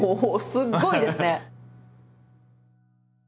すごいですね！